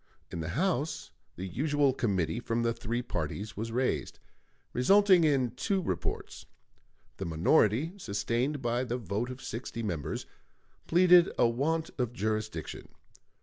In the House the usual committee from the three parties was raised, resulting in two reports. The minority, sustained by the vote of sixty members, pleaded a want of jurisdiction.